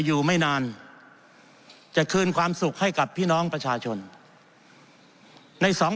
อยู่ไม่นานจะคืนความสุขให้กับพี่น้องประชาชนในสอง